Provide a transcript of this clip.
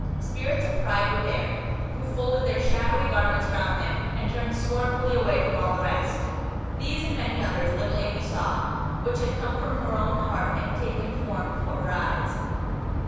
Spirits of Pride were there, who folded their shadowy garments round them, and turned scornfully away from all the rest. These and many others little Annie saw, which had come from her own heart, and taken form before her eyes.